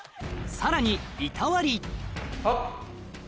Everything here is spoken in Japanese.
さらに板割りはっ。